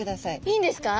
いいんですか？